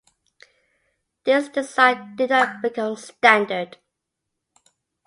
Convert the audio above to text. This design did not become standard.